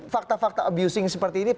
fakta fakta abusing seperti ini